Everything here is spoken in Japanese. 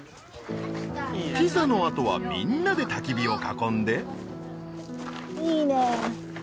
ピザのあとはみんなでたき火を囲んで。